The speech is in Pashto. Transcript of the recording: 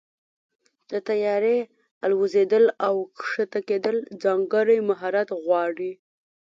د طیارې الوزېدل او کښته کېدل ځانګړی مهارت غواړي.